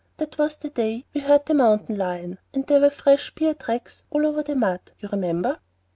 That was the day we heard the mountain lion, and there were fresh bear tracks all over the mud, you remember."